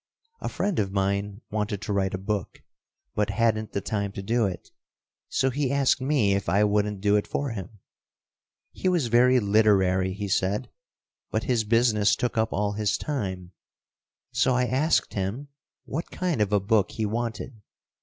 A friend of mine wanted to write a book, but hadn't the time to do it. So he asked me if I wouldn't do it for him. He was very literary, he said, but his business took up all his time, so I asked him what kind of a book he wanted.